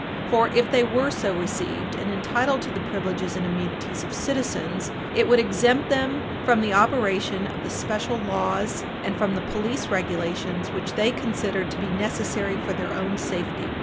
For if they were so received, and entitled to the privileges and immunities of citizens, it would exempt them from the operation of the special laws and from the police Page 60 U. S. 417 regulations which they considered to be necessary for their own safety.